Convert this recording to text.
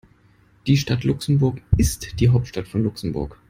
Die Stadt Luxemburg ist die Hauptstadt von Luxemburg.